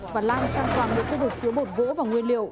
và lan sang toàn những khu vực chứa bột gỗ và nguyên liệu